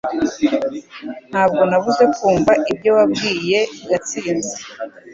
Ntabwo nabuze kumva ibyo wabwiye Gatsinzi